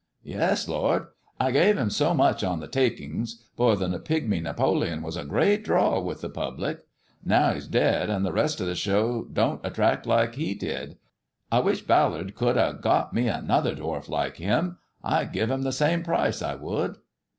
" Yes, lord ! I gave him so much on the takings, for the Pigmy Napoleon was a great draw with the public. Now he's dead, and the rest of the show don't attract like he did. I wish Ballard could have got me another dwarf like him. I'd give him the same price, I would."